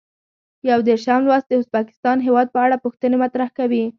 یو دېرشم لوست د ازبکستان هېواد په اړه پوښتنې مطرح کوي.